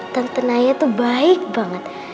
tante naya itu baik banget